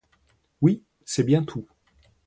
Oui, c'est bien tout.